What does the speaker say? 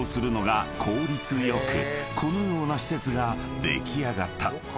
［このような施設が出来上がった］